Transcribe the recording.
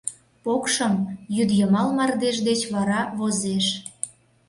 Покшым йӱдйымал мардеж деч вара возеш.